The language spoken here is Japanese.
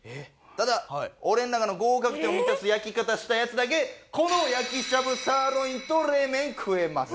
ただ俺の中の合格点を満たす焼き方したヤツだけこの焼きしゃぶサーロインと冷麺食えます。